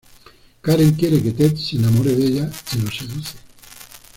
Karen quiere que Ted se enamore de ella y lo seduce.